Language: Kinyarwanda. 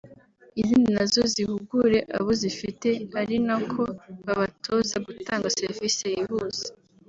izindi nazo zihugure abo zifite ari nako babatoza gutanga serivisi yihuse